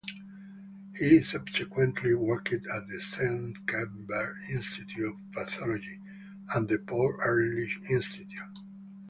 He subsequently worked at the Senckenberg Institute of Pathology and the Paul Ehrlich Institute.